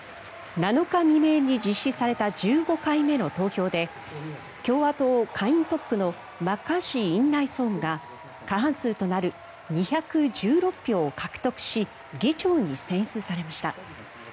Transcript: ７日未明に実施された１５回目の投票で共和党下院トップのマッカーシー院内総務が過半数となる２１６票を獲得し議長に選出されました。